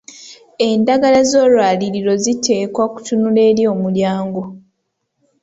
Endagala z’olwaliiro ziteekwa kutunula eri omulyango.